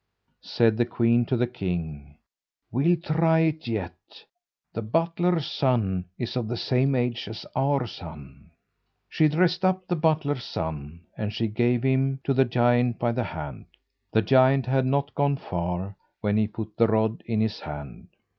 Said the queen to the king, "We'll try it yet; the butler's son is of the same age as our son." She dressed up the butler's son, and she gives him to the giant by the hand. The giant had not gone far when he put the rod in his hand.